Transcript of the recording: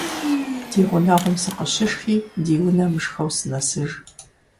Ди гъунэгъум сыкъыщышхи ди унэ мышхэу сынэсыж.